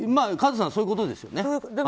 和津さん、そういうことですよね。